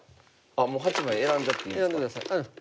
もう８枚選んじゃっていいんですか？